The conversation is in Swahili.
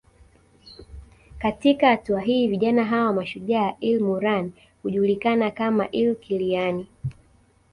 Katika hatua hii vijana hawa mashujaa ilmurran hujulikana kama Ilkiliyani